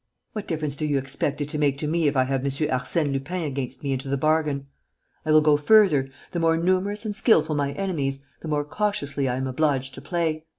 What difference do you expect it to make to me if I have M. Arsène Lupin against me into the bargain? I will go further: the more numerous and skilful my enemies, the more cautiously I am obliged to play.